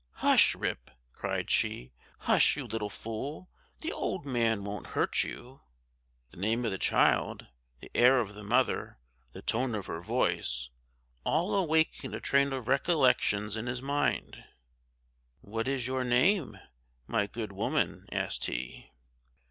"Hush, Rip," cried she, "hush, you little fool; the old man won't hurt you." The name of the child, the air of the mother, the tone of her voice, all awakened a train of recollections in his mind. "What is your name, my good woman?" asked he.